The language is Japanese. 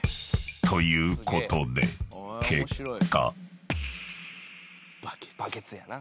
［ということで結果］